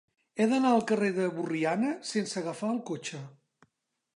He d'anar al carrer de Borriana sense agafar el cotxe.